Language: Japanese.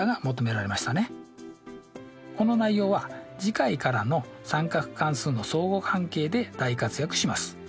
この内容は次回からの三角関数の相互関係で大活躍します。